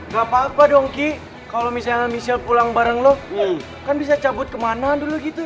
gapapa dong ki kalo misalnya michelle pulang bareng lo kan bisa cabut kemanaan dulu gitu